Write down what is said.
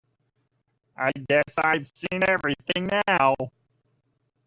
I guess I've seen everything now.